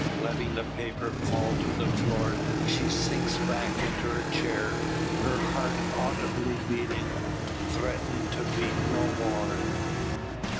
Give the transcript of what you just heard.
Letting the paper fall to the floor, she sinks back into her chair, her heart audibly beating threatening to beat no more.